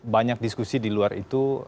banyak diskusi di luar itu